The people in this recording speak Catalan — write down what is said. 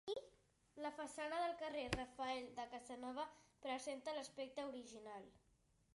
La façana del carrer Rafael de Casanova presenta l'aspecte original.